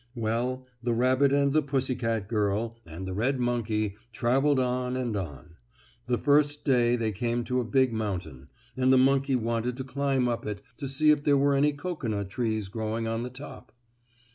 Well, the rabbit and the pussy girl and the red monkey traveled on and on. The first day they came to a big mountain, and the monkey wanted to climb up it to see if there were any cocoanut trees growing on the top.